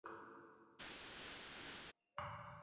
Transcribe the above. Abalina akawuka ka ssiirimu basobola okukasiiga abalala.